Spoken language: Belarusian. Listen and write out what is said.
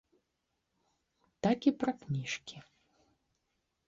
Так і пра кніжкі.